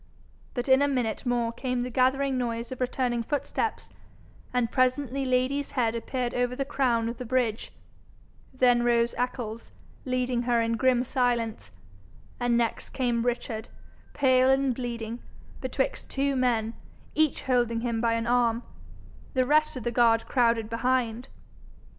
But in a minute more came the gathering noise of returning footsteps, and presently Lady's head appeared over the crown of the bridge; then rose Eccles, leading her in grim silence; and next came Richard, pale and bleeding, betwixt two men, each holding him by an arm; the rest of the guard crowded behind.